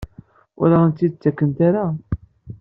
Ur aɣ-tent-id-ttakent ara?